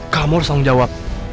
kamu harus tanggung jawab